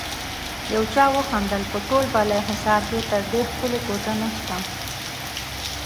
يو چا وخندل: په ټول بالاحصار کې تر دې ښکلی کوټه نشته.